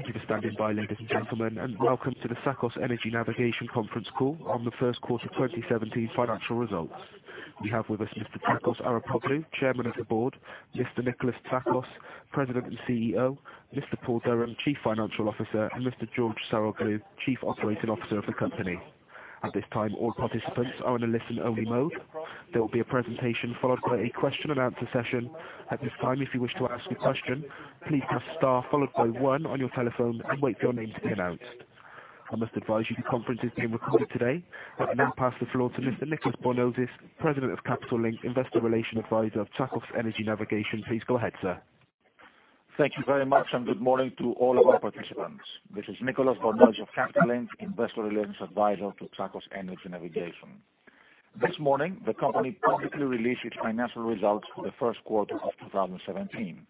Thank you for standing by, ladies and gentlemen, and welcome to the Tsakos Energy Navigation conference call on the first quarter 2017 financial results. We have with us Mr. Takis Arapoglou, Chairman of the Board, Mr. Nikolas Tsakos, President and CEO, Mr. Paul Durham, Chief Financial Officer, and Mr. George Saroglou, Chief Operating Officer of the company. At this time, all participants are in a listen-only mode. There will be a presentation followed by a question and answer session. At this time, if you wish to ask a question, please press star followed by one on your telephone and wait for your name to be announced. I must advise you, the conference is being recorded today. I would now pass the floor to Mr. Nicolas Bornozis, President of Capital Link, Investor Relations Advisor of Tsakos Energy Navigation. Please go ahead, sir. Thank you very much. Good morning to all of our participants. This is Nicolas Bornozis of Capital Link, Investor Relations Advisor to Tsakos Energy Navigation. This morning, the company publicly released its financial results for the first quarter of 2017.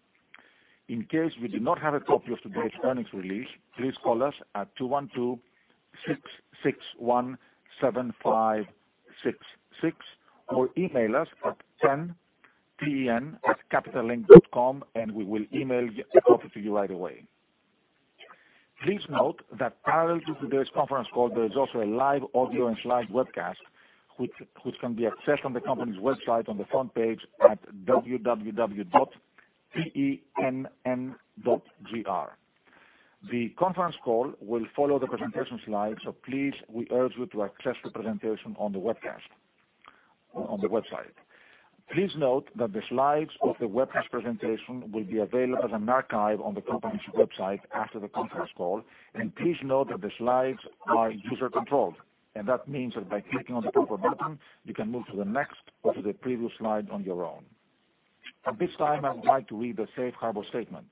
In case you do not have a copy of today's earnings release, please call us at 212-661-7566 or email us at ten, T-E-N, @capitallink.com. We will email a copy to you right away. Please note that parallel to today's conference call, there is also a live audio and slide webcast, which can be accessed on the company's website on the front page at www.tenn.gr. The conference call will follow the presentation slides. Please, we urge you to access the presentation on the webcast on the website. Please note that the slides of the webcast presentation will be available as an archive on the company's website after the conference call. Please note that the slides are user controlled. That means that by clicking on the proper button, you can move to the next or to the previous slide on your own. At this time, I would like to read the safe harbor statement.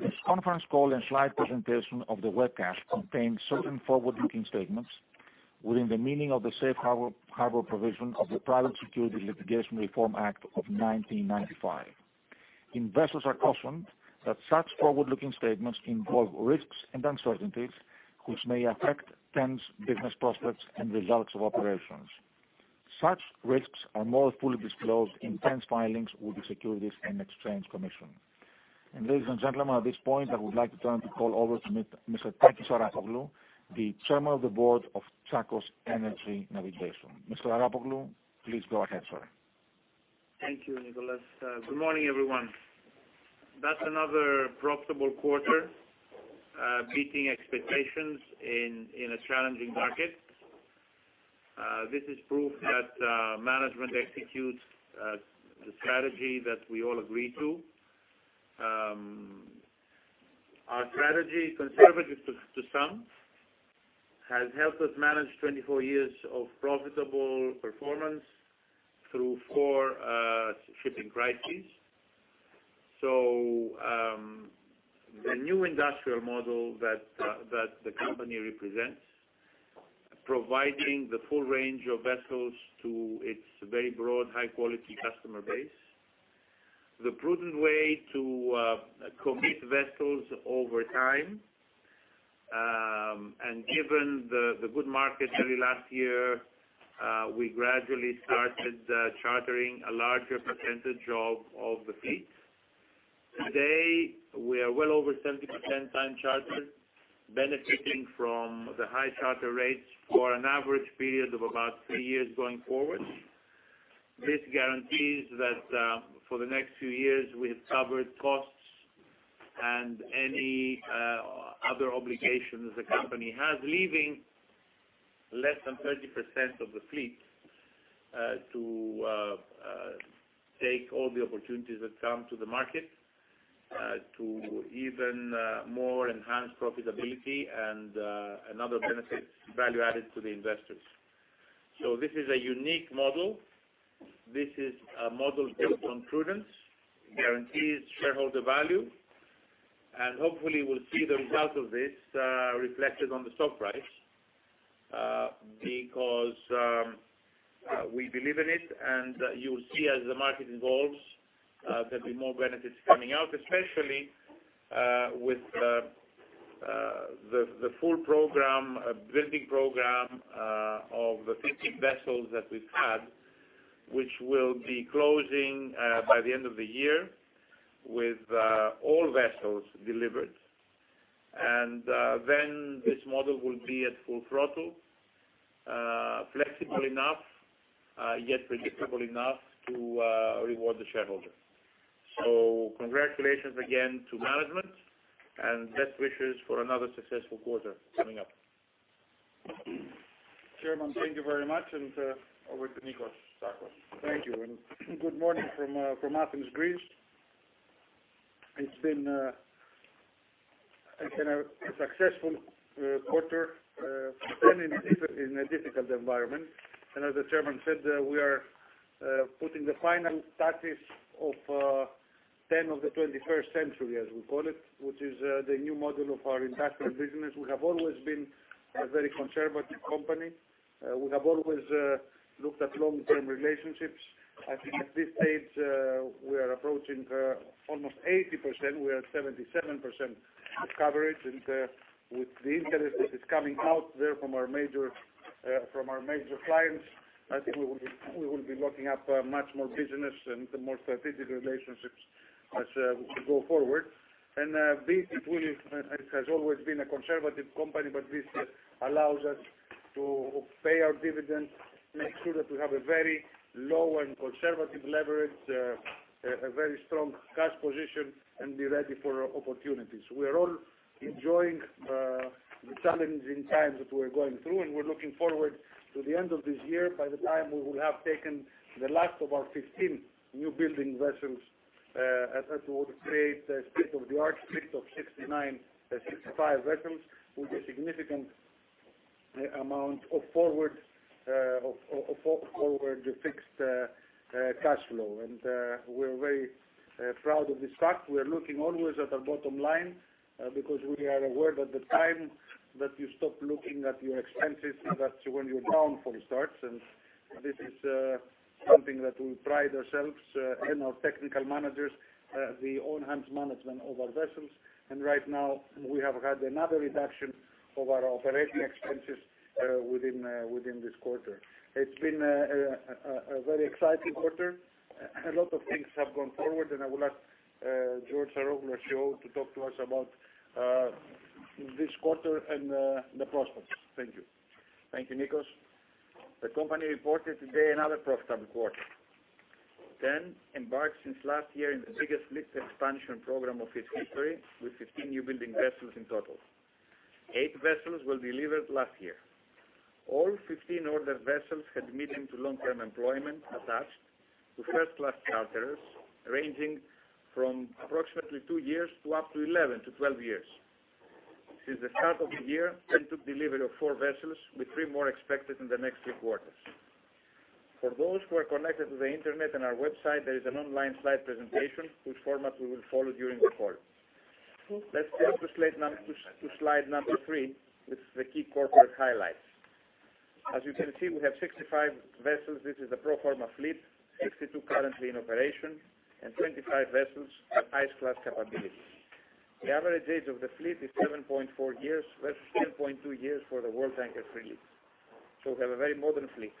This conference call and slide presentation of the webcast contains certain forward-looking statements within the meaning of the safe harbor provision of the Private Securities Litigation Reform Act of 1995. Investors are cautioned that such forward-looking statements involve risks and uncertainties, which may affect TEN's business prospects and results of operations. Such risks are more fully disclosed in TEN's filings with the Securities and Exchange Commission. Ladies and gentlemen, at this point, I would like to turn the call over to Mr. Takis Arapoglou, the Chairman of the Board of Tsakos Energy Navigation. Mr. Arapoglou, please go ahead, sir. Thank you, Nicolas. Good morning, everyone. That's another profitable quarter, beating expectations in a challenging market. This is proof that management executes the strategy that we all agree to. Our strategy, conservative to some, has helped us manage 24 years of profitable performance through four shipping crises. The new industrial model that the company represents, providing the full range of vessels to its very broad, high-quality customer base. The prudent way to commit vessels over time, given the good market early last year, we gradually started chartering a larger percentage of the fleet. Today, we are well over 70% time charter, benefiting from the high charter rates for an average period of about 3 years going forward. This guarantees that for the next few years, we have covered costs and any other obligations the company has, leaving less than 30% of the fleet to take all the opportunities that come to the market to even more enhance profitability and other benefits value added to the investors. This is a unique model. This is a model built on prudence, guarantees shareholder value. Hopefully, we'll see the result of this reflected on the stock price because we believe in it. You will see as the market evolves, there'll be more benefits coming out, especially with the full program, building program of the 50 vessels that we've had, which will be closing by the end of the year with all vessels delivered. Then this model will be at full throttle, flexible enough, yet predictable enough to reward the shareholder. Congratulations again to management and best wishes for another successful quarter coming up. Chairman, thank you very much, over to Nikolas Tsakos. Thank you, good morning from Athens, Greece. It's been a successful quarter, even in a difficult environment. As the Chairman said, we are putting the final touches of TEN of the 21st century, as we call it, which is the new model of our industrial business. We have always been a very conservative company. We have always looked at long-term relationships. I think at this stage, we are approaching almost 80%. We are at 77% coverage. With the interest that is coming out there from our major From our major clients, I think we will be locking up much more business and more strategic relationships as we go forward. This has always been a conservative company, but this allows us to pay our dividends, make sure that we have a very low and conservative leverage, a very strong cash position, and be ready for opportunities. We are all enjoying the challenging times that we're going through, and we're looking forward to the end of this year. By the time we will have taken the last of our 15 new building vessels, that will create a state-of-the-art fleet of 65 vessels with a significant amount of forward fixed cash flow. We're very proud of this fact. We're looking always at our bottom line because we are aware that the time that you stop looking at your expenses, that's when your downfall starts. This is something that we pride ourselves and our technical managers, the on-hand management of our vessels. Right now, we have had another reduction of our Operating Expenses within this quarter. It's been a very exciting quarter. A lot of things have gone forward, I will ask George Saroglou, COO, to talk to us about this quarter and the prospects. Thank you. Thank you, Nikos. The company reported today another profitable quarter. TEN embarked since last year in the biggest fleet expansion program of its history with 15 new building vessels in total. Eight vessels were delivered last year. All 15 ordered vessels had medium to long-term employment attached to first-class charters, ranging from approximately 2 years to up to 11-12 years. Since the start of the year, TEN took delivery of four vessels, with three more expected in the next three quarters. For those who are connected to the internet and our website, there is an online slide presentation whose format we will follow during the call. Let's flip to slide number three with the key corporate highlights. As you can see, we have 65 vessels. This is the pro forma fleet, 62 currently in operation, and 25 vessels have ice class capabilities. The average age of the fleet is 7.4 years versus 10.2 years for the World Tanker fleet. We have a very modern fleet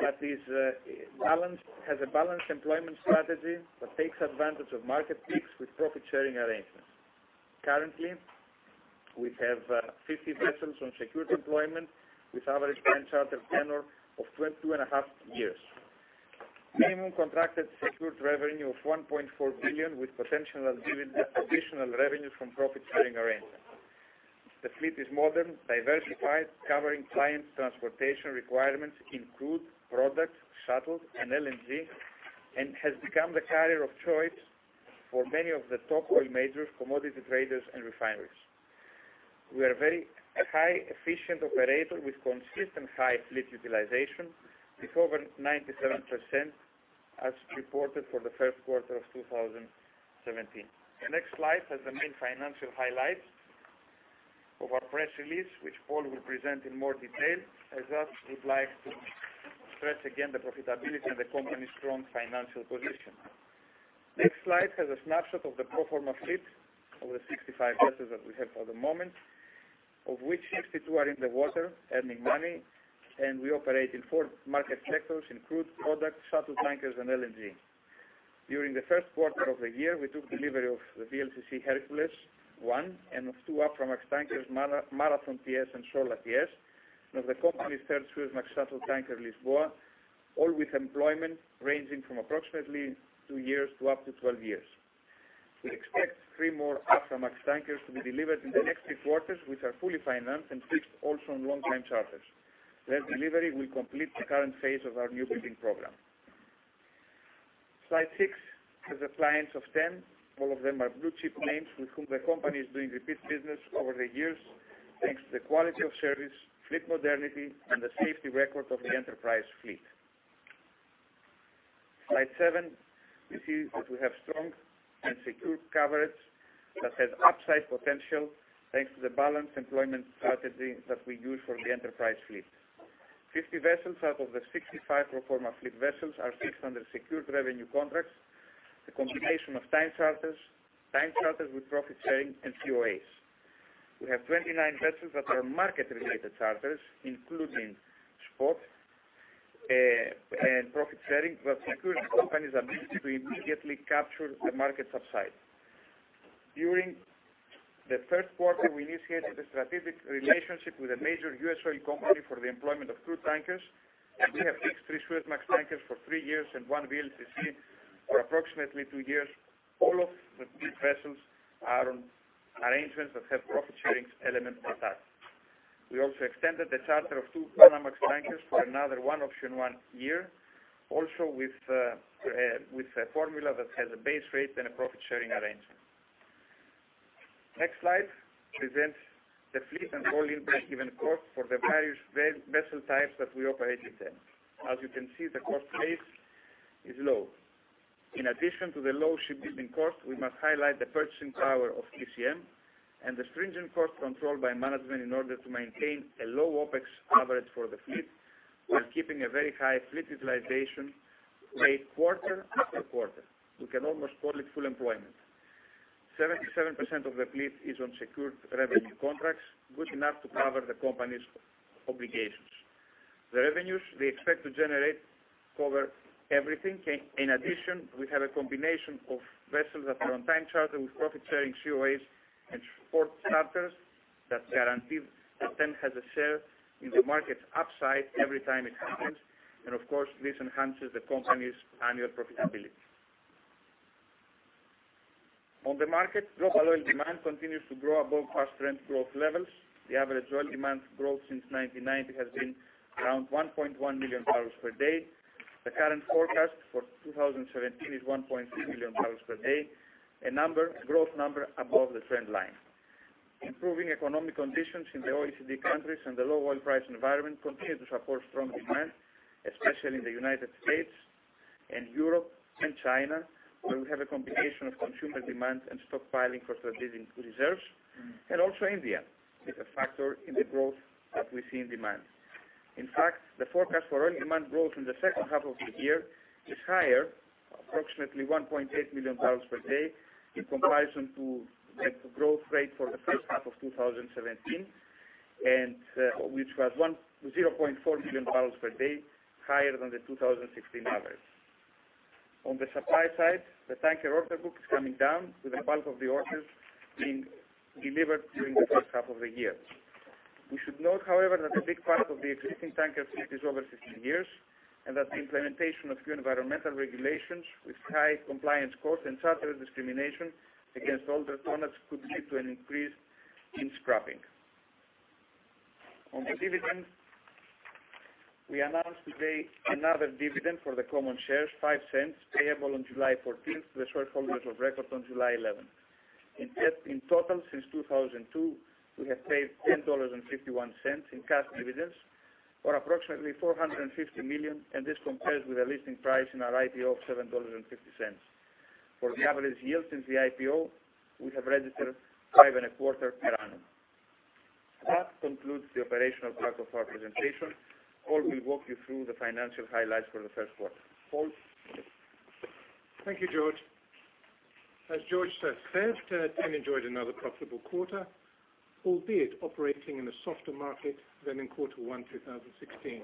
that has a balanced employment strategy that takes advantage of market peaks with profit-sharing arrangements. Currently, we have 50 vessels on secured employment with average time charter tenor of two and a half years. Minimum contracted secured revenue of $1.4 billion with potential additional revenues from profit-sharing arrangements. The fleet is modern, diversified, covering clients' transportation requirements in crude, product, shuttle, and LNG, and has become the carrier of choice for many of the top oil majors, commodity traders, and refineries. We are a very high efficient operator with consistent high fleet utilization with over 97% as reported for the first quarter of 2017. The next slide has the main financial highlights of our press release, which Paul will present in more detail, as thus would like to stress again the profitability and the company's strong financial position. The next slide has a snapshot of the pro forma fleet of the 65 vessels that we have for the moment, of which 62 are in the water earning money, and we operate in four market sectors in crude, product, shuttle tankers, and LNG. During the first quarter of the year, we took delivery of the VLCC Hercules I and of two Aframax tankers, Marathon TS and Sola TS, and of the company's third Suezmax shuttle tanker, Lisboa, all with employment ranging from approximately two years to up to 12 years. We expect three more Aframax tankers to be delivered in the next three quarters, which are fully financed and fixed also on long-term charters. Their delivery will complete the current phase of our new building program. Slide six has the clients of TEN. All of them are blue-chip names with whom the company is doing repeat business over the years, thanks to the quality of service, fleet modernity, and the safety record of the Enterprise fleet. Slide seven, you see that we have strong and secure coverage that has upside potential, thanks to the balanced employment strategy that we use for the Enterprise fleet. 50 vessels out of the 65 pro forma fleet vessels are fixed under secured revenue contracts. The combination of time charters, time charters with profit sharing, and COAs. We have 29 vessels that are market-related charters, including spot and profit sharing, but secure companies are needed to immediately capture the market upside. During the third quarter, we initiated a strategic relationship with a major U.S. oil company for the employment of crude tankers. We have fixed three Suezmax tankers for three years and one VLCC for approximately two years. All of the three vessels are on arrangements that have profit sharing elements attached. We also extended the charter of two Panamax tankers for another one option one year, also with a formula that has a base rate and a profit-sharing arrangement. Next slide presents the fleet and all-in break-even cost for the various vessel types that we operate at TEN. As you can see, the cost base is low. In addition to the low shipbuilding cost, we must highlight the purchasing power of TCM and the stringent cost control by management in order to maintain a low OpEx average for the fleet while keeping a very high fleet utilization rate quarter after quarter. We can almost call it full employment. 77% of the fleet is on secured revenue contracts, good enough to cover the company's obligations. The revenues we expect to generate cover everything. In addition, we have a combination of vessels that are on time charter with profit-sharing COAs and support charters that guarantee that TEN has a share in the market's upside every time it happens, and of course, this enhances the company's annual profitability. On the market, global oil demand continues to grow above past trend growth levels. The average oil demand growth since 1990 has been around 1.1 million barrels per day. The current forecast for 2017 is 1.3 million barrels per day, a growth number above the trend line. Improving economic conditions in the OECD countries and the low oil price environment continue to support strong demand, especially in the United States and Europe and China, where we have a combination of consumer demand and stockpiling for strategic reserves, and also India is a factor in the growth that we see in demand. In fact, the forecast for oil demand growth in the second half of the year is higher, approximately 1.8 million barrels per day in comparison to the growth rate for the first half of 2017, which was 0.4 million barrels per day higher than the 2016 average. On the supply side, the tanker order book is coming down with the bulk of the orders being delivered during the first half of the year. We should note, however, that a big part of the existing tanker fleet is over 15 years, and that the implementation of new environmental regulations with high compliance costs and charter discrimination against older tonnage could lead to an increase in scrapping. On the dividend, we announce today another dividend for the common shares, $0.05 payable on July 14th to the shareholders of record on July 11th. In total, since 2002, we have paid $10.51 in cash dividends, or approximately $450 million, and this compares with a listing price in our IPO of $7.50. For the average yield since the IPO, we have registered five and a quarter per annum. That concludes the operational part of our presentation. Paul will walk you through the financial highlights for the first quarter. Paul? Thank you, George. As George just said, TEN enjoyed another profitable quarter, albeit operating in a softer market than in quarter one 2016.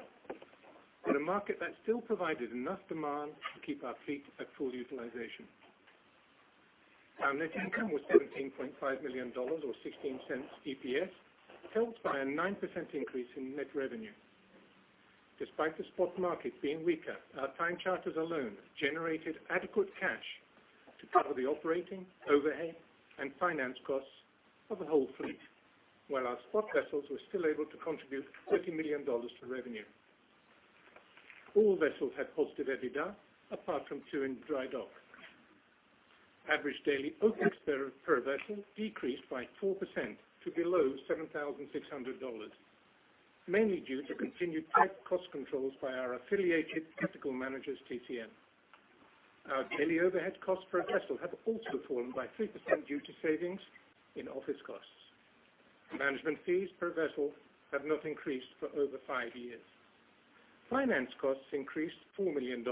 In a market that still provided enough demand to keep our fleet at full utilization. Our net income was $17.5 million, or $0.16 EPS, helped by a 9% increase in net revenue. Despite the spot market being weaker, our time charters alone generated adequate cash to cover the operating, overhead, and finance costs of the whole fleet, while our spot vessels were still able to contribute $30 million to revenue. All vessels had positive EBITDA, apart from two in dry dock. Average daily OPEX per vessel decreased by 4% to below $7,600, mainly due to continued tight cost controls by our affiliated technical managers, TCM. Our daily overhead costs per vessel have also fallen by 3% due to savings in office costs. Management fees per vessel have not increased for over five years. Finance costs increased $4 million,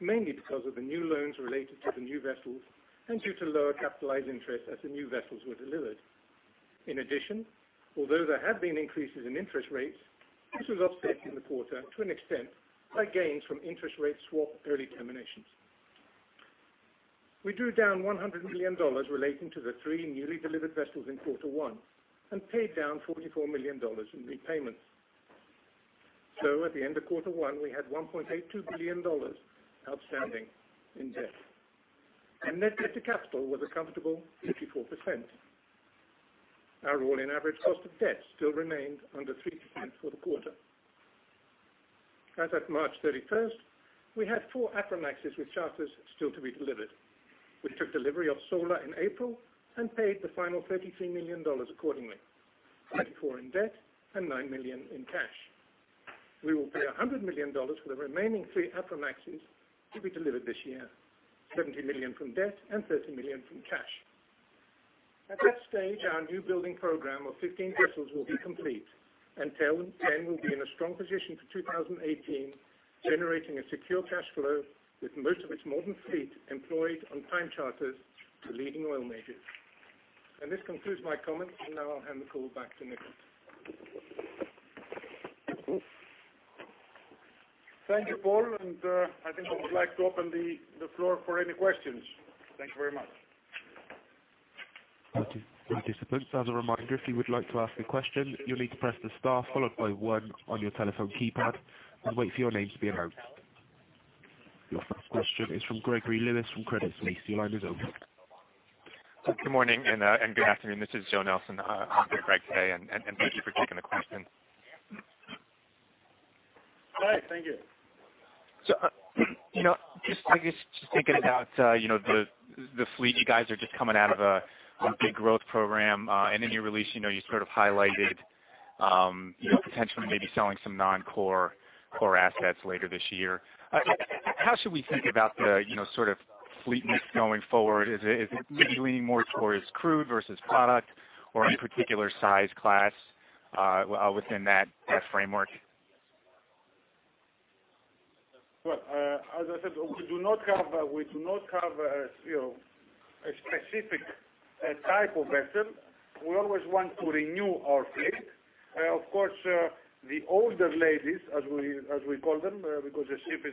mainly because of the new loans related to the new vessels and due to lower capitalized interest as the new vessels were delivered. In addition, although there have been increases in interest rates, this was offset in the quarter to an extent by gains from interest rate swap early terminations. We drew down $100 million relating to the three newly delivered vessels in quarter one and paid down $44 million in repayments. At the end of quarter one, we had $1.82 billion outstanding in debt, and net debt to capital was a comfortable 54%. Our all-in average cost of debt still remained under 3% for the quarter. As at March 31st, we had four Aframaxes with charters still to be delivered. We took delivery of Sola in April and paid the final $33 million accordingly, $24 in debt and $9 million in cash. We will pay $100 million for the remaining three Aframaxes to be delivered this year, $70 million from debt and $30 million from cash. At that stage, our new building program of 15 vessels will be complete, and TEN will be in a strong position for 2018, generating a secure cash flow with most of its modern fleet employed on time charters to leading oil majors. This concludes my comments. I'll hand the call back to Nikolas. Thank you, Paul. I think I would like to open the floor for any questions. Thank you very much. Thank you. Participants, as a reminder, if you would like to ask a question, you'll need to press the star followed by one on your telephone keypad and wait for your name to be announced. Your first question is from Gregory Lewis from Credit Suisse. Your line is open. Good morning and good afternoon. This is Joe Nelson in for Greg today, thank you for taking the question. Hi, thank you. I guess, just thinking about the fleet, you guys are just coming out of a big growth program. In your release, you highlighted potentially maybe selling some non-core assets later this year. How should we think about the fleet mix going forward? Is it leaning more towards crude versus product or any particular size class within that framework? Well, as I said, we do not have a specific type of vessel. We always want to renew our fleet. Of course, the older ladies, as we call them, because a ship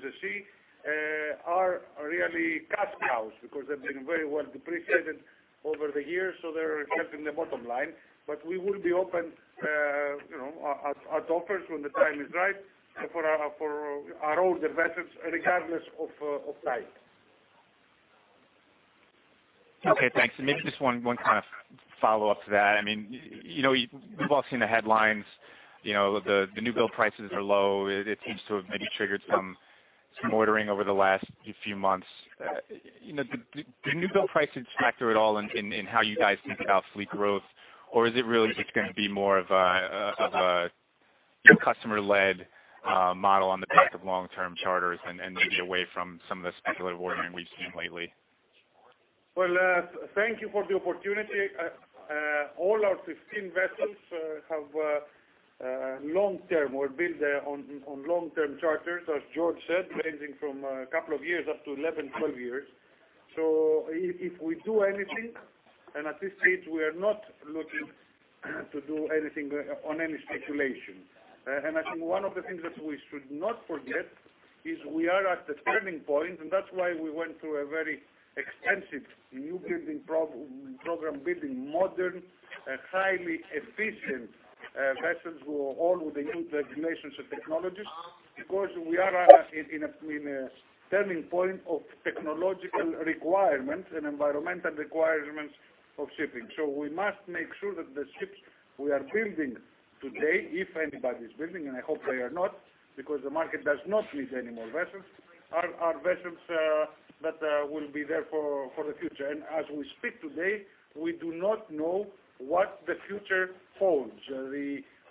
is a she, are really cash cows because they've been very well depreciated over the years, they're helping the bottom line. We will be open at offers when the time is right for our older vessels, regardless of type. Okay, thanks. Maybe just one kind of follow-up to that. We've all seen the headlines, the new build prices are low. It seems to have maybe triggered some ordering over the last few months. Do new build prices factor at all in how you guys think about fleet growth? Or is it really just going to be more of a customer-led model on the back of long-term charters and maybe away from some of the speculative ordering we've seen lately? Well, thank you for the opportunity. All our 15 vessels have long-term or build on long-term charters, as George said, ranging from a couple of years up to 11, 12 years. If we do anything, at this stage, we are not looking to do anything on any speculation. I think one of the things that we should not forget is we are at the turning point, that's why we went through a very extensive new building program, building modern and highly efficient vessels with all the new regulations and technologies because we are in a turning point of technological requirements and environmental requirements of shipping. We must make sure that the ships we are building today, if anybody's building, and I hope they are not, because the market does not need any more vessels, are vessels that will be there for the future. As we speak today, we do not know what the future holds.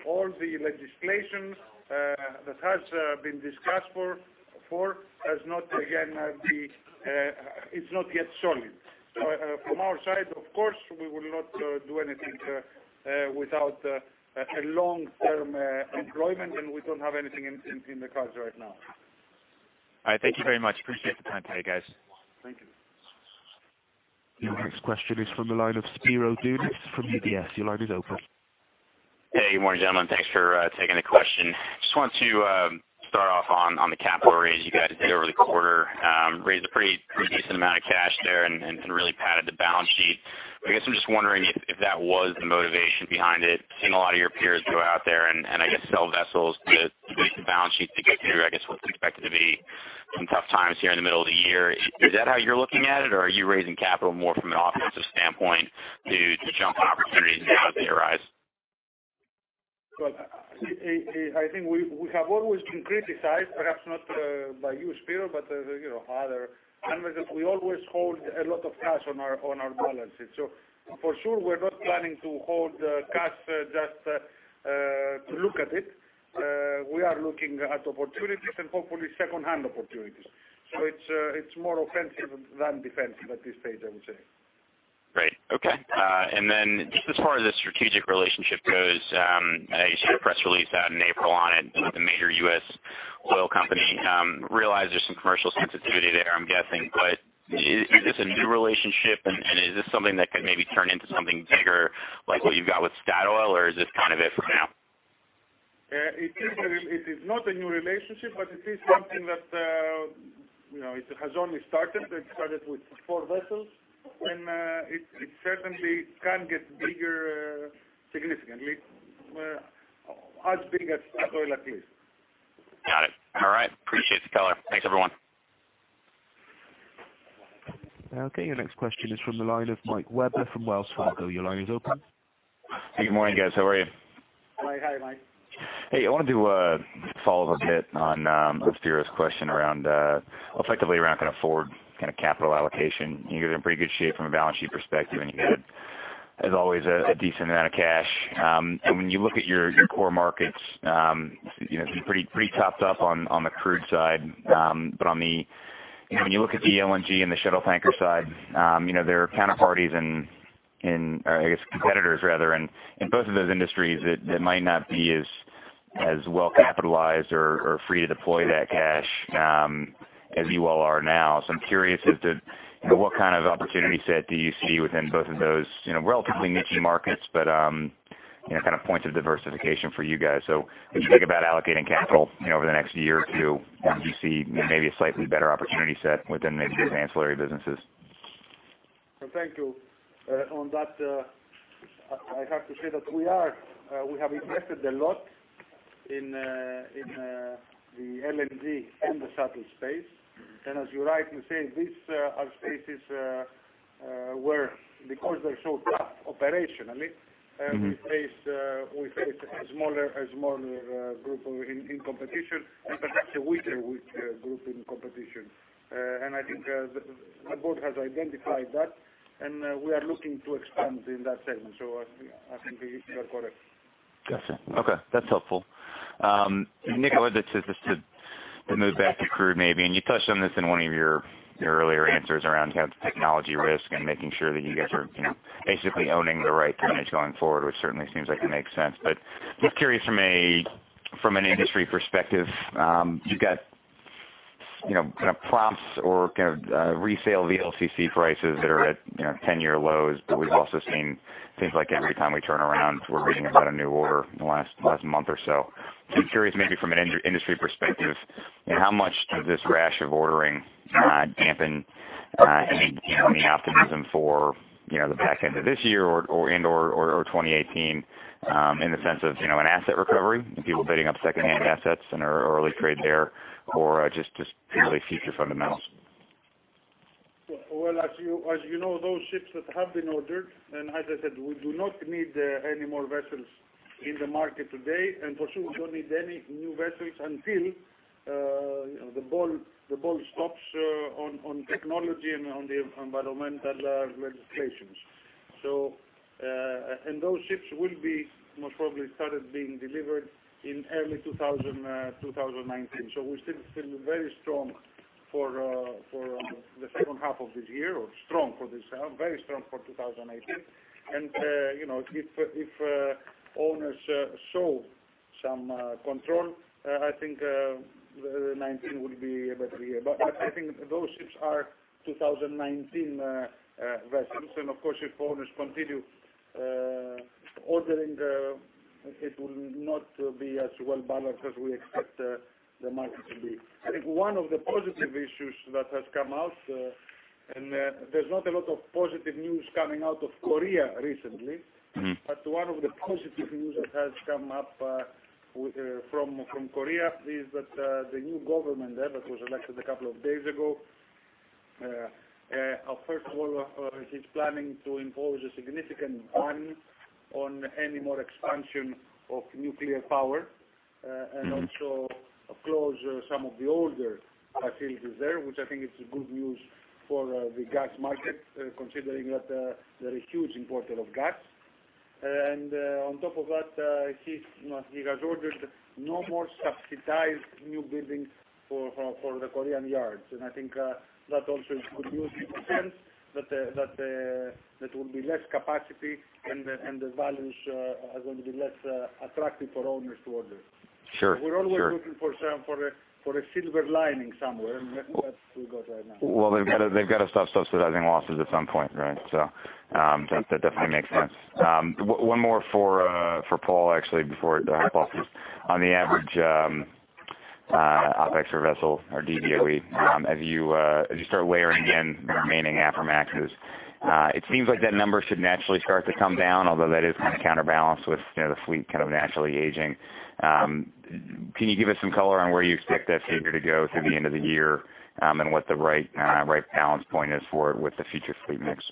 All the legislation that has been discussed for has not, again, it's not yet solid. From our side, of course, we will not do anything without a long-term employment, and we don't have anything in the cards right now. All right. Thank you very much. Appreciate the time today, guys. Thank you. Your next question is from the line of Spiro Dounis from UBS. Your line is open. Hey, good morning, gentlemen. Thanks for taking the question. I just want to start off on the capital raise you guys did over the quarter. Raised a pretty decent amount of cash there. Really padded the balance sheet. I guess I'm just wondering if that was the motivation behind it, seeing a lot of your peers go out there and, I guess, sell vessels to boost the balance sheet to get through, I guess, what's expected to be some tough times here in the middle of the year. Is that how you're looking at it? Are you raising capital more from an offensive standpoint to jump opportunities as they arise? Well, I think we have always been criticized, perhaps not by you, Spiro, but other analysts. We always hold a lot of cash on our balance sheet. For sure, we're not planning to hold cash just to look at it. We are looking at opportunities and hopefully second-hand opportunities. It's more offensive than defensive at this stage, I would say. Great. Okay. Just as far as the strategic relationship goes, I see the press release out in April on it with a major U.S. oil company. Realize there's some commercial sensitivity there, I'm guessing, but is this a new relationship, and is this something that could maybe turn into something bigger like what you've got with Statoil, or is this kind of it for now? It is not a new relationship, but it is something that has only started. It started with four vessels, and it certainly can get bigger significantly, as big as Statoil, at least. Got it. All right. Appreciate the color. Thanks, everyone. Okay, your next question is from the line of Mike Webber from Wells Fargo. Your line is open. Hey, good morning, guys. How are you? Hi, Mike. Hey, I wanted to follow up a bit on Spiro's question around effectively kind of forward capital allocation. You guys are in pretty good shape from a balance sheet perspective, and you had, as always, a decent amount of cash. When you look at your core markets, you're pretty topped up on the crude side. When you look at the LNG and the shuttle tanker side there are counterparties in, or I guess competitors rather, in both of those industries that might not be as well capitalized or free to deploy that cash as you all are now. I'm curious as to what kind of opportunity set do you see within both of those relatively niche markets, but kind of points of diversification for you guys. As you think about allocating capital over the next year or two, do you see maybe a slightly better opportunity set within maybe these ancillary businesses? Thank you. On that, I have to say that we have invested a lot in the LNG and the shuttle space. As you rightly say, these are spaces where, because they are so tough operationally, we face a smaller group in competition and perhaps a weaker group in competition. I think the board has identified that, and we are looking to expand in that segment. I think you are correct. Got you. Okay. That's helpful. Nikolas, just to move back to crude, maybe, you touched on this in one of your earlier answers around kind of technology risk and making sure that you guys are basically owning the right tonnage going forward, which certainly seems like it makes sense. Just curious from an industry perspective, you've got kind of prompts or kind of resale VLCC prices that are at 10-year lows. We've also seen things like every time we turn around, we are reading about a new order in the last month or so. Curious, maybe from an industry perspective, how much does this rash of ordering dampen any of the optimism for the back end of this year and/or 2018 in the sense of an asset recovery and people bidding up secondhand assets in early trade there, or just purely future fundamentals? As you know, those ships that have been ordered, as I said, we do not need any more vessels in the market today, for sure, we don't need any new vessels until the ball stops on technology and on the environmental legislations. Those ships will be most probably started being delivered in early 2019. We are still very strong for the second half of this year, or strong for this half, very strong for 2018. If owners show some control, I think 2019 will be a better year. I think those ships are 2019 vessels. Of course, if owners continue ordering, it will not be as well balanced as we expect the market to be. I think one of the positive issues that has come out, there's not a lot of positive news coming out of Korea recently. One of the positive news that has come up from Korea is that the new government there, that was elected a couple of days ago, first of all, he is planning to impose a significant ban on any more expansion of nuclear power, also close some of the older facilities there, which I think is good news for the gas market, considering that they are a huge importer of gas. On top of that, he has ordered no more subsidized new buildings for the Korean yards. I think that also is good news in a sense that there will be less capacity and the values are going to be less attractive for owners to order. Sure. We're always looking for a silver lining somewhere, that's what we got right now. Well, they've got to stop subsidizing losses at some point, right? That definitely makes sense. One more for Paul, actually, before I hand it off to you. On the average OpEx per vessel or DVOE, as you start layering in the remaining Aframaxes, it seems like that number should naturally start to come down, although that is kind of counterbalanced with the fleet kind of naturally aging. Can you give us some color on where you expect that figure to go through the end of the year and what the right balance point is for it with the future fleet mix?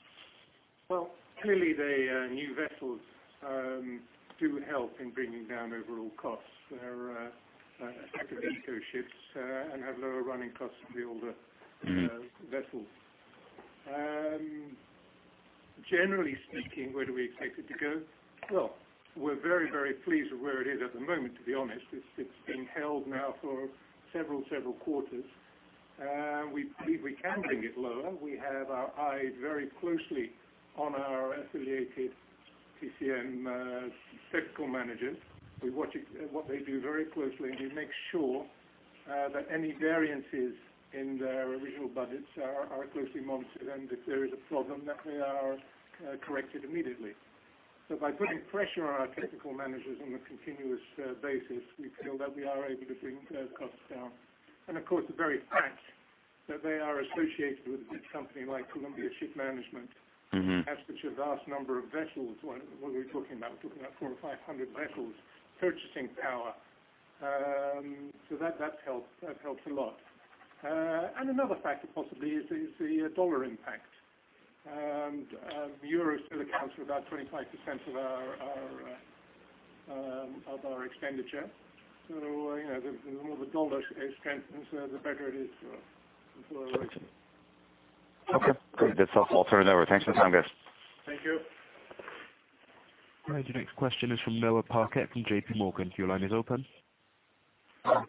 Well, clearly the new vessels do help in bringing down overall costs. They're effective eco ships and have lower running costs than the older vessels. Generally speaking, where do we expect it to go? Well, we're very pleased with where it is at the moment, to be honest. It's been held now for several quarters. We believe we can bring it lower. We have our eyes very closely on our affiliated TCM technical managers. We watch what they do very closely, we make sure that any variances in their original budgets are closely monitored, and if there is a problem, that they are corrected immediately. By putting pressure on our technical managers on a continuous basis, we feel that we are able to bring those costs down. Of course, the very fact that they are associated with a good company like Columbia Shipmanagement has such a vast number of vessels. What are we talking about? We're talking about 400 or 500 vessels purchasing power. That's helped a lot. Another factor possibly is the dollar impact. Euro still accounts for about 25% of our expenditure. The more the dollar strengthens, the better it is for our results. Okay, great. That's all. I'll turn it over. Thanks for the time, guys. Thank you. All right. Your next question is from Noah Parquette from JP Morgan. Your line is open.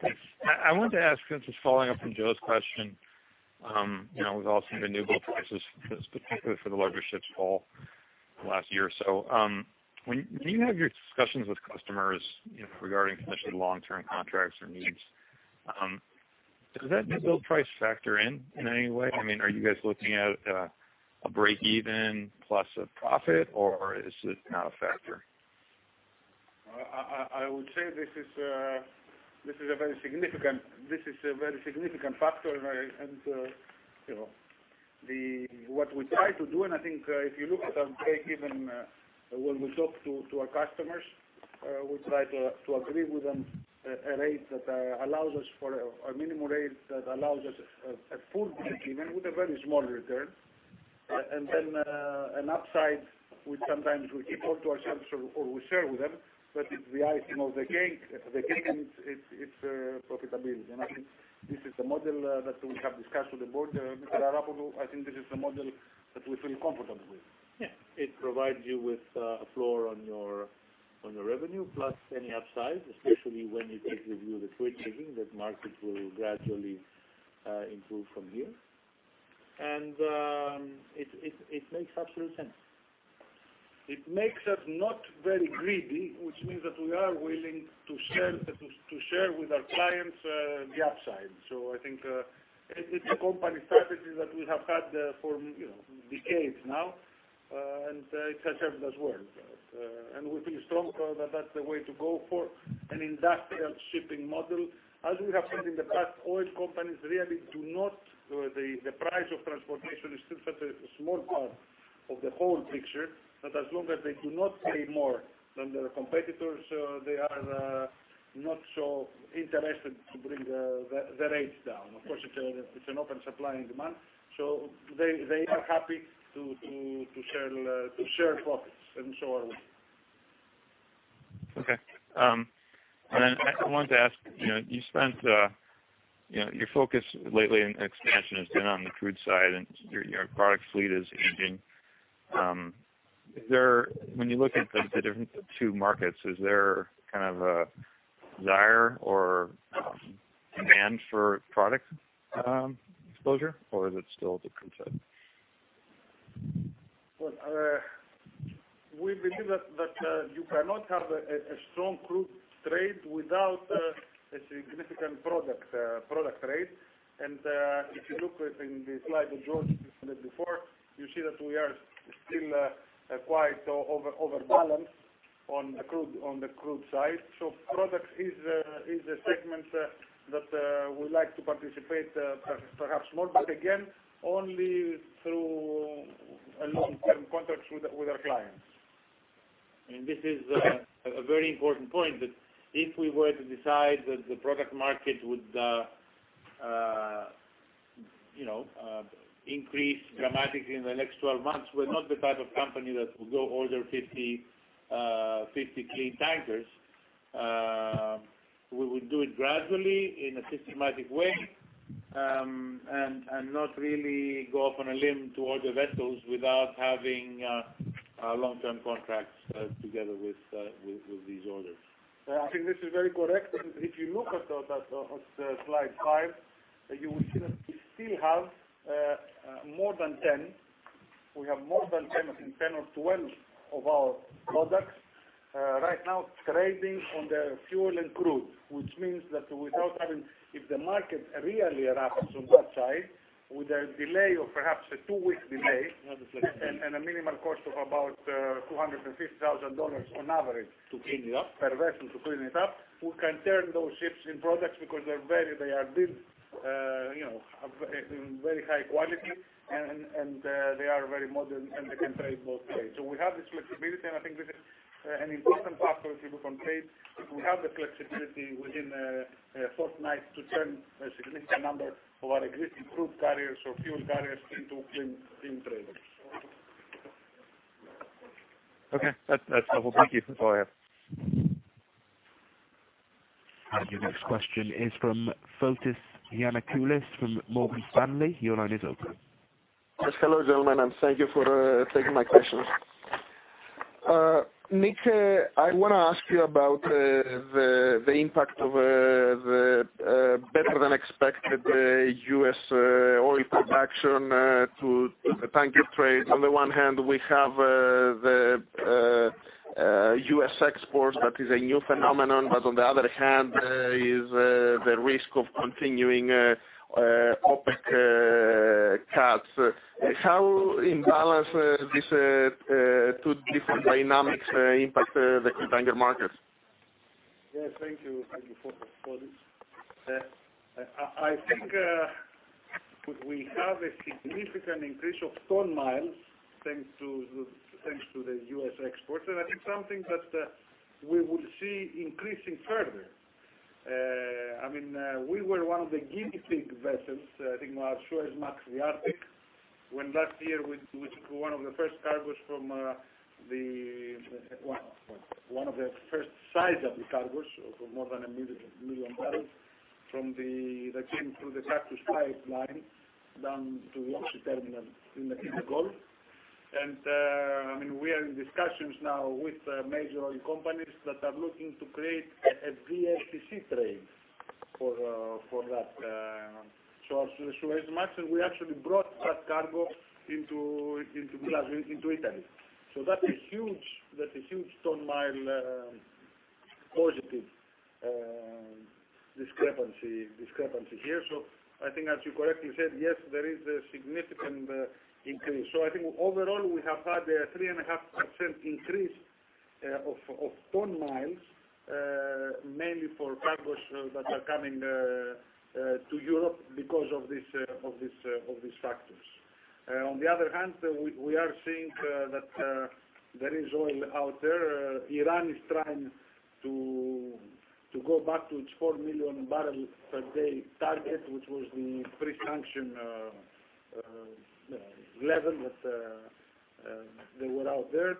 Thanks. I wanted to ask, just following up from Joe's question, with all the newbuild prices, particularly for the larger ships, Paul, the last year or so. When you have your discussions with customers regarding potentially long-term contracts or needs, does that newbuild price factor in in any way? Are you guys looking at a breakeven plus a profit, or is it not a factor? I would say this is a very significant factor. What we try to do, and I think if you look at our breakeven when we talk to our customers, we try to agree with them a rate that allows us for a minimum rate that allows us a full breakeven with a very small return. Then an upside which sometimes we keep all to ourselves or we share with them. The icing of the cake is profitability. I think this is the model that we have discussed with the board. Mr. Arapoglou, I think this is the model that we feel comfortable with. Yeah. It provides you with a floor on your revenue plus any upside, especially when you take with you the twitch thinking that markets will gradually improve from here. It makes absolute sense. It makes us not very greedy, which means that we are willing to share with our clients the upside. I think it's a company strategy that we have had for decades now, and it has served us well. We feel strong that that's the way to go for an industrial shipping model. The price of transportation is still such a small part of the whole picture that as long as they do not pay more than their competitors, they are not so interested to bring the rates down. Of course, it's an open supply and demand. They are happy to share profits, and so are we. Okay. I wanted to ask, your focus lately in expansion has been on the crude side, and your product fleet is aging. When you look at the difference of two markets, is there a desire or demand for product exposure, or is it still a different side? Well, we believe that you cannot have a strong crude trade without a significant product rate. If you look within the slide that George presented before, you see that we are still quite overbalanced on the crude side. Product is a segment that we would like to participate perhaps more. Again, only through long-term contracts with our clients. This is a very important point, that if we were to decide that the product market would increase dramatically in the next 12 months, we're not the type of company that will go order 50 clean tankers. We would do it gradually in a systematic way, not really go off on a limb to order vessels without having long-term contracts together with these orders. I think this is very correct. If you look at slide five, you will see that we still have more than 10. We have more than 10 or 12 of our products right now trading on the fuel and crude, which means that without having, if the market really erupts on that side, with a delay of perhaps a two-week delay and a minimal cost of about $250,000 on average. To clean it up per vessel to clean it up. We can turn those ships into products because they are built in very high quality, they are very modern, and they can trade both ways. We have this flexibility, and I think this is an important factor if you look on trade. We have the flexibility within a fortnight to turn a significant number of our existing crude carriers or fuel carriers into clean traders. Okay. That's helpful. Thank you for that. Your next question is from Fotis Giannakoulis from Morgan Stanley. Your line is open. Yes. Hello, gentlemen, and thank you for taking my questions. Nick, I want to ask you about the impact of the better-than-expected U.S. oil production to the tanker trade. On the one hand, we have the U.S. exports, that is a new phenomenon, but on the other hand is the risk of continuing OPEC cuts. How in balance these two different dynamics impact the tanker markets? Yes. Thank you. Thank you for that, Fotis. I think we have a significant increase of ton-miles thanks to the U.S. exports, I think something that we will see increasing further. We were one of the guinea pig vessels, I think our Suezmax, the Arctic, when last year we took one of the first sizable cargos of more than 1 million barrels that came through the Cactus Pipeline down to the Oxy terminal in the Gulf. We are in discussions now with major oil companies that are looking to create a VLCC trade for that. Our Suezmax, we actually brought that cargo into Italy. That's a huge ton-mile positive discrepancy here. I think as you correctly said, yes, there is a significant increase. I think overall, we have had a 3.5% increase of ton-miles, mainly for cargos that are coming to Europe because of these factors. On the other hand, we are seeing that there is oil out there. Iran is trying to go back to its four-million-barrel-per-day target, which was the pre-sanction level that they were out there.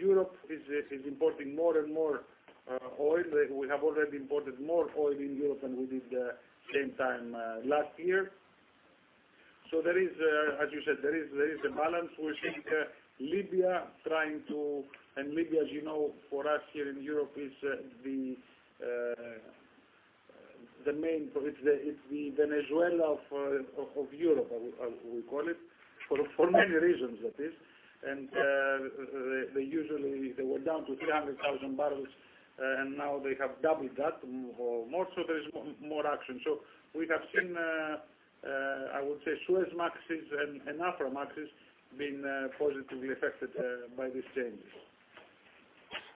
Europe is importing more and more oil. We have already imported more oil in Europe than we did same time last year. There is, as you said, there is a balance. We see Libya trying to Libya, as you know, for us here in Europe is the The main, it's the Venezuela of Europe, we call it, for many reasons, that is. They were down to 300,000 barrels, now they have doubled that or more, there is more action. We have seen, I would say, Suezmaxes and Aframaxes being positively affected by these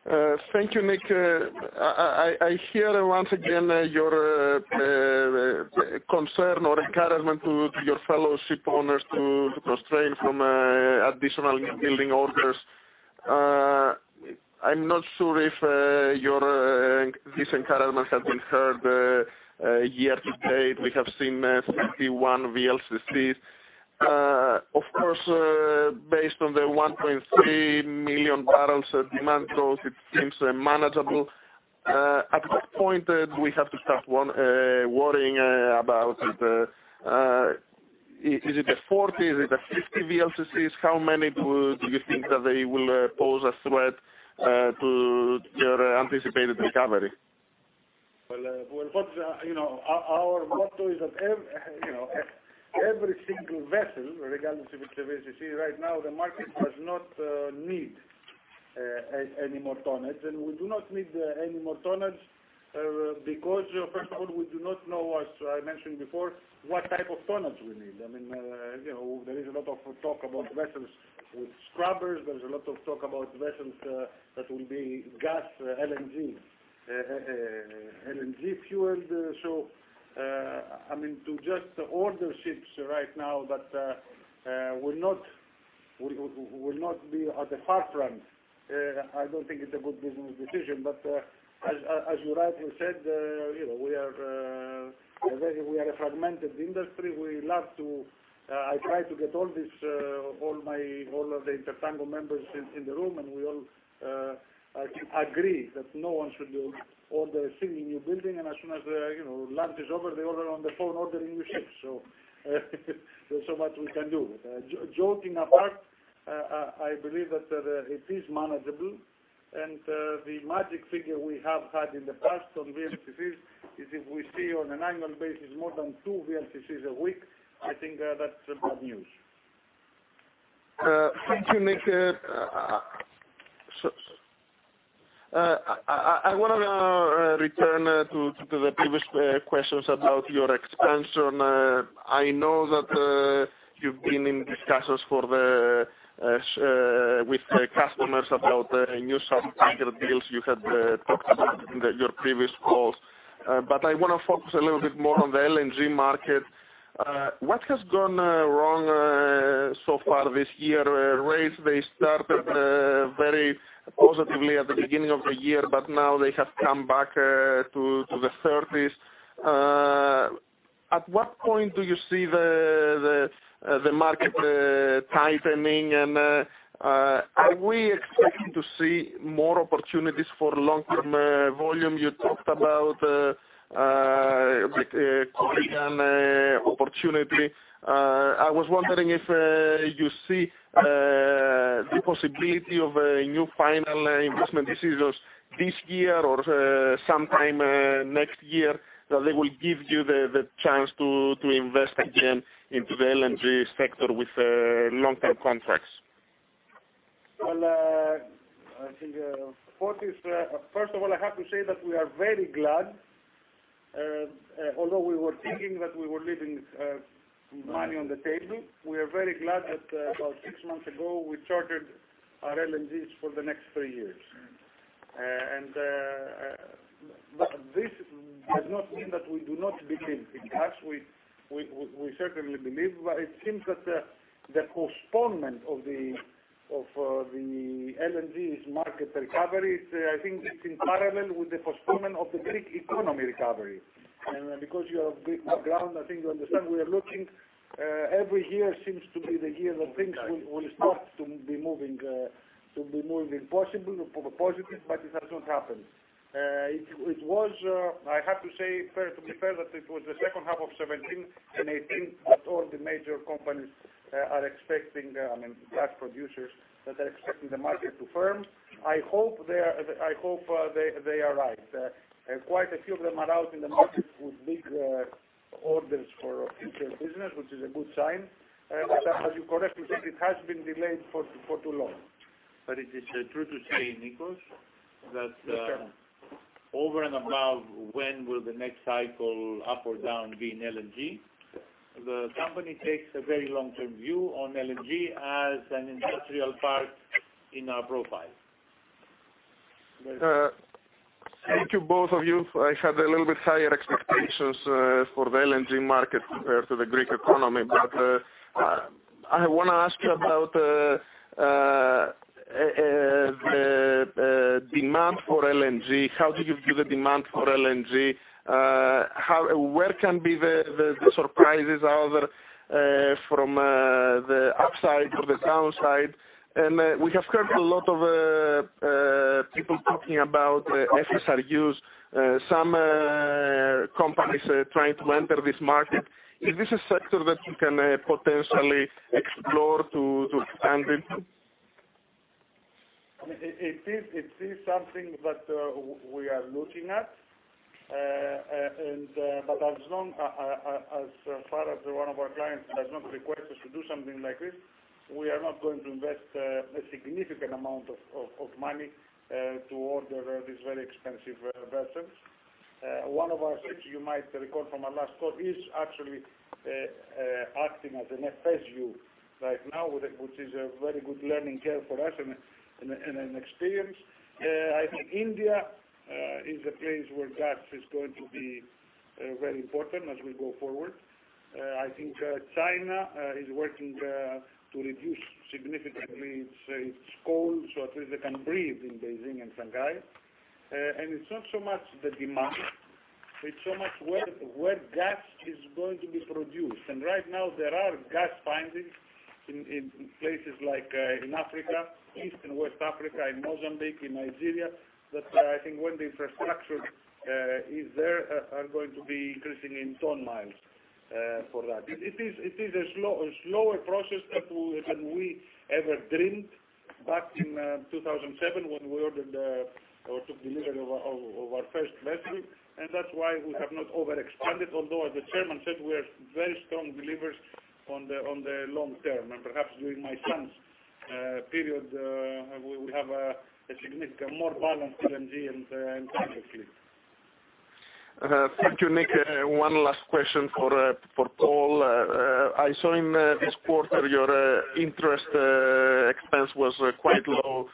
changes. Thank you, Nik. I hear once again your concern or encouragement to your fellow ship owners to restrain from additional building orders. I'm not sure if these encouragements have been heard. Year-to-date, we have seen 51 VLCCs. Of course, based on the 1.3 million barrels demand growth, it seems manageable. At what point do we have to start worrying about it? Is it at 40? Is it at 50 VLCCs? How many do you think that they will pose a threat to your anticipated recovery? Well, Fotis, our motto is that every single vessel, regardless if it's a VLCC, right now the market does not need any more tonnage. We do not need any more tonnage because, first of all, we do not know, as I mentioned before, what type of tonnage we need. There is a lot of talk about vessels with scrubbers. There is a lot of talk about vessels that will be gas LNG-fueled. To just order ships right now that will not be at the forefront, I don't think it's a good business decision. As you rightly said, we are a fragmented industry. I try to get all of the INTERTANKO members in the room, we all agree that no one should order a single new building, as soon as lunch is over, they're all on the phone ordering new ships. There's only so much we can do. Joking apart, I believe that it is manageable. The magic figure we have had in the past on VLCCs is if we see on an annual basis more than 2 VLCCs a week, I think that's bad news. Thank you, Nik. I want to return to the previous questions about your expansion. I know that you've been in discussions with the customers about new sub-target deals you had talked about in your previous calls. I want to focus a little bit more on the LNG market. What has gone wrong so far this year? Rates, they started very positively at the beginning of the year, but now they have come back to the 30s. At what point do you see the market tightening, are we expecting to see more opportunities for long-term volume? You talked about Korean opportunity. I was wondering if you see the possibility of new final investment decisions this year or sometime next year that they will give you the chance to invest again into the LNG sector with long-term contracts. Well, I think, Fotis, first of all, I have to say that we are very glad. Although we were thinking that we were leaving money on the table, we are very glad that about six months ago, we chartered our LNGs for the next three years. This does not mean that we do not believe in gas. We certainly believe, but it seems that the postponement of the LNG’s market recovery, I think it's in parallel with the postponement of the Greek economy recovery. Because you are of Greek background, I think you understand we are looking. Every year seems to be the year that things will start to be moving positive, but it has not happened. I have to say, to be fair, that it was the second half of 2017 and 2018 that all the major companies, gas producers, are expecting the market to firm. I hope they are right. Quite a few of them are out in the market with big orders for future business, which is a good sign. As you correctly said, it has been delayed for too long. it is true to say, Nikos, that Yes, Chairman over and above when will the next cycle up or down be in LNG, the company takes a very long-term view on LNG as an industrial part in our profile. Thank you, both of you. I had a little bit higher expectations for the LNG market compared to the Greek economy. I want to ask you about demand for LNG. How do you view the demand for LNG? Where can the surprises be from the upside or the downside? We have heard a lot of people talking about FSRUs, some companies trying to enter this market. Is this a sector that you can potentially explore to expand into? It is something that we are looking at. As far as one of our clients does not request us to do something like this, we are not going to invest a significant amount of money to order these very expensive vessels. One of our ships, you might recall from our last call, is actually acting as an FSU right now, which is a very good learning curve for us and an experience. I think India is a place where gas is going to be very important as we go forward. I think China is working to reduce significantly its coal so at least they can breathe in Beijing and Shanghai. It's not so much the demand, it's so much where gas is going to be produced. Right now there are gas findings in places like in Africa, East and West Africa, in Mozambique, in Nigeria, that I think when the infrastructure is there, are going to be increasing in ton-miles for that. It is a slower process than we ever dreamed back in 2007 when we ordered or took delivery of our first vessel. That's why we have not over-expanded. Although, as the chairman said, we are very strong believers on the long term. Perhaps during my son's period, we have a significant, more balanced LNG and time fleet. Thank you, Nik. One last question for Paul. I saw in this quarter your interest expense was quite low.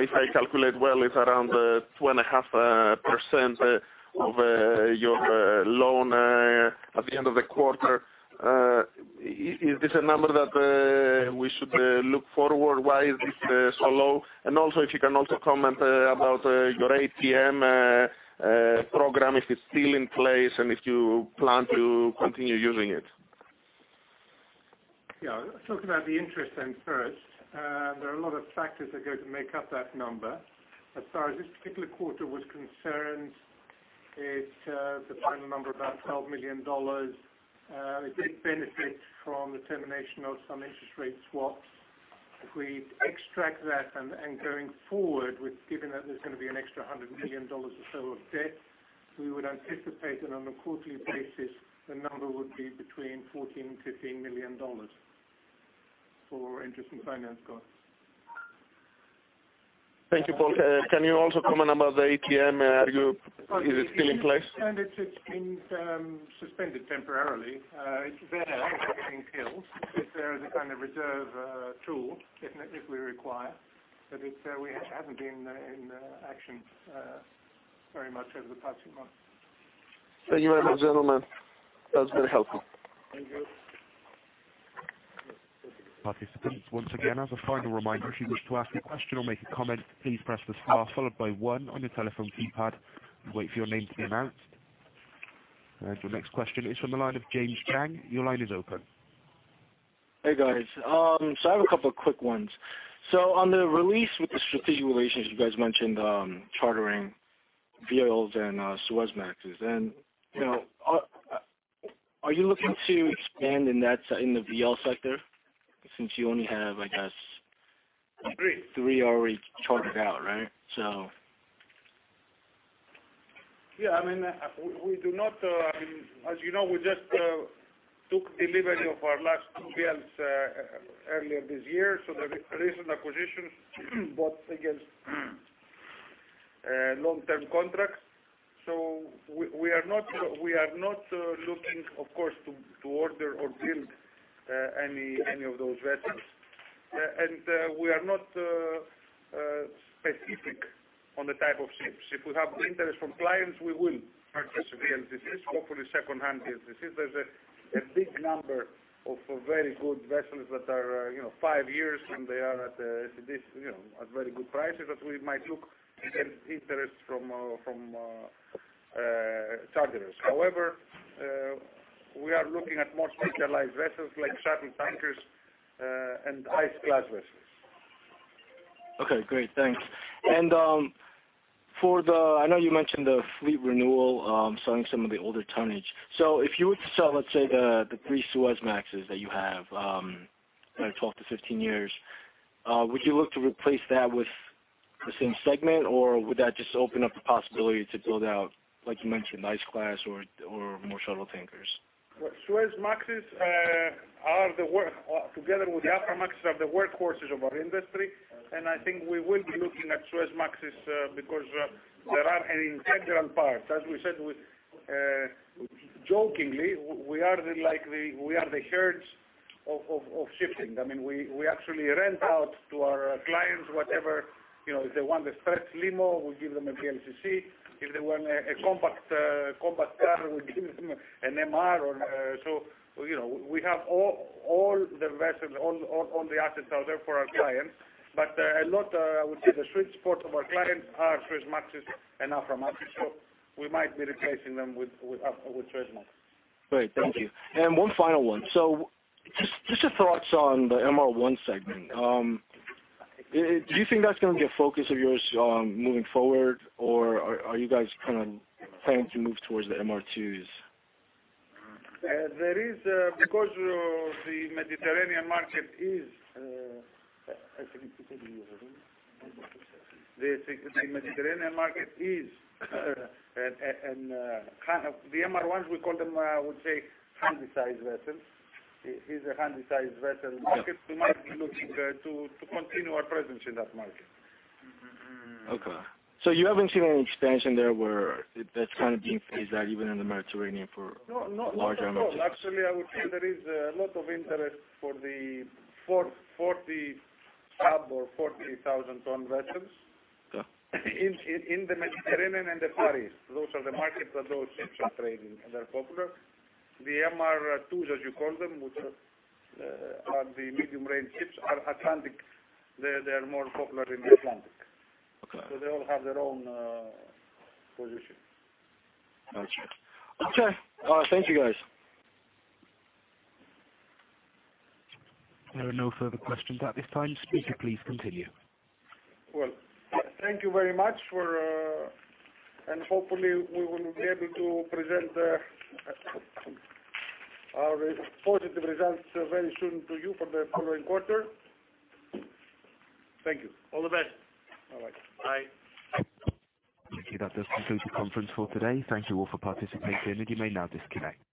If I calculate well, it's around 2.5% of your loan at the end of the quarter. Is this a number that we should look forward? Why is this so low? Also if you can also comment about your ATM program, if it's still in place and if you plan to continue using it. Yeah. I'll talk about the interest first. There are a lot of factors that go to make up that number. As far as this particular quarter was concerned, the final number, about $12 million, it did benefit from the termination of some interest rate swaps. If we extract that and going forward with giving that there's going to be an extra $100 million or so of debt, we would anticipate that on a quarterly basis, the number would be between $14 million and $15 million for interest and finance costs. Thank you, Paul. Can you also comment about the ATM? Is it still in place? It's been suspended temporarily. It's there, it's not being killed. It's there as a kind of reserve tool if we require, but we haven't been in action very much over the past few months. Thank you very much, gentlemen. That's been helpful. Thank you. Participants, once again, as a final reminder, if you wish to ask a question or make a comment, please press the star followed by one on your telephone keypad and wait for your name to be announced. The next question is from the line of James Jang. Your line is open. Hey, guys. I have a couple of quick ones. On the release with the strategic relations you guys mentioned, chartering VLs and Suezmaxes. Are you looking to expand in the VL sector since you only have, I guess, three already chartered out, right? Yeah. As you know, we just took delivery of our last two VLs earlier this year. There is an acquisition but against long-term contracts. We are not looking, of course, to order or build any of those vessels. We are not specific on the type of ships. If we have interest from clients, we will purchase VLCCs, hopefully secondhand VLCCs. There's a big number of very good vessels that are five years and they are at very good prices that we might look at interest from charterers. However, we are looking at more specialized vessels like shuttle tankers and ice class vessels. Okay, great. Thanks. I know you mentioned the fleet renewal, selling some of the older tonnage. If you were to sell, let's say, the three Suezmaxes that you have that are 12-15 years, would you look to replace that with the same segment, or would that just open up the possibility to build out, like you mentioned, ice class or more shuttle tankers? Suezmaxes, together with the Aframaxes, are the workhorses of our industry. I think we will be looking at Suezmaxes because they are an integral part. As we said jokingly, we are the herds of shipping. We actually rent out to our clients whatever. If they want a stretch limo, we give them a VLCC. If they want a compact car, we give them an MR. We have all the vessels, all the assets are there for our clients. A lot, I would say, the sweet spot of our clients are Suezmaxes and Aframaxes, we might be replacing them with Suezmaxes. Great, thank you. One final one. Just your thoughts on the MR1 segment. Do you think that's going to be a focus of yours moving forward, or are you guys kind of planning to move towards the MR2s? Because the Mediterranean market is I think it is in European waters. The Mediterranean market is, the MR1s, we call them, I would say, handy size vessels. It is a handy size vessel market. We might be looking to continue our presence in that market. Okay. You haven't seen any expansion there where that's kind of being phased out even in the Mediterranean for larger MRs? No, not at all. Actually, I would say there is a lot of interest for the 40,000 ton vessels in the Mediterranean and the Far East. Those are the markets that those ships are trading, and they're popular. The MR2s, as you call them, which are the medium-range ships, are Atlantic. They are more popular in the Atlantic. Okay. They all have their own position. Got you. Okay. Thank you, guys. There are no further questions at this time. Speaker, please continue. Well, thank you very much. Hopefully, we will be able to present our positive results very soon to you for the following quarter. Thank you. All the best. Bye-bye. Bye. Thank you. That does conclude the conference call today. Thank you all for participating and you may now disconnect.